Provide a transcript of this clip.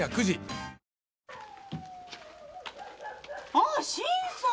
あ新さん！